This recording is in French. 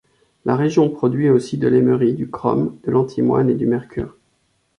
La région produit aussi de l'émeri, du chrome, de l'antimoine et du mercure.